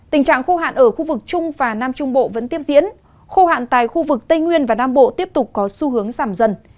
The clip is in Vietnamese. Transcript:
tình trạng khô hạn ở khu vực trung và nam trung bộ vẫn tiếp diễn khô hạn tại khu vực tây nguyên và nam bộ tiếp tục có xu hướng giảm dần